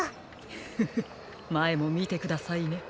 フフフまえもみてくださいね。